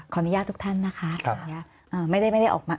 ขออนุญาตทุกท่านนะคะ